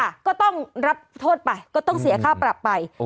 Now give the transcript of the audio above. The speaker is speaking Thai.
ก็ต้องรับโทษไปก็ต้องเสียค่าปรับไป